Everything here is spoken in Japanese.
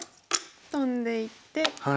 トンでいって。